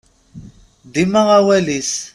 Dima awal-is.